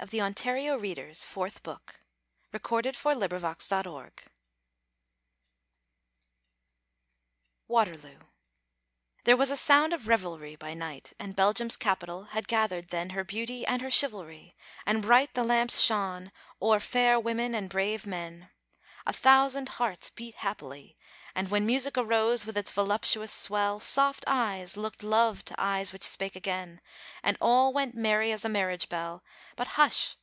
Southey England expects that every man will do his duty. Nelson WATERLOO There was a sound of revelry by night, And Belgium's capital had gathered then Her Beauty and her Chivalry, and bright The lamps shone o'er fair women and brave men; A thousand hearts beat happily; and when Music arose with its voluptuous swell, Soft eyes looked love to eyes which spake again, And all went merry as a marriage bell; But hush!